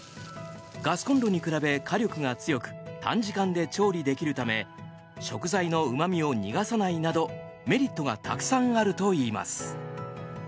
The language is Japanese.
ガスコンロに比べ火力が強く短時間で調理できるため食材のうま味を逃がさないなどメリットがたくさんあるといいます。